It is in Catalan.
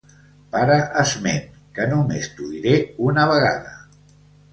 Para esment, que només t'ho diré una vegada.